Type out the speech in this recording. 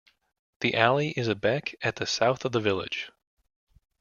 The ally is a beck at the south of the village.